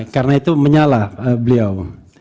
karena itu menyala beliau